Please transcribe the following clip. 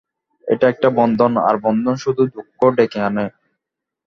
এটা একটা বন্ধন, আর বন্ধন শুধুই দুঃখ ডেকে আনে।